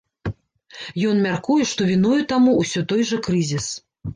Ён мяркуе, што віною таму ўсё той жа крызіс.